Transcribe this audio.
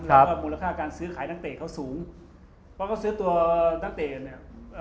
เพราะว่ามูลค่าการซื้อขายนักเตะเขาสูงเพราะเขาซื้อตัวนักเตะกันเนี่ยเอ่อ